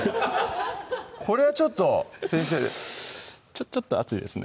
これはちょっと先生ちょっと熱いですね